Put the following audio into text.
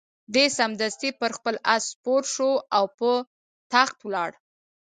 دی سمدستي پر خپل آس سپور شو او په تاخت ولاړ.